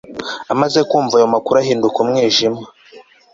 Amaze kumva ayo makuru ahinduka umwijima